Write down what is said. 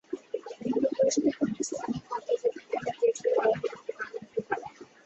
মূল্য পরিশোধের ক্ষেত্রে স্থানীয় ও আন্তর্জাতিক পেমেন্ট গেটওয়ে ব্যবহার করতে পারবেন ক্রেতারা।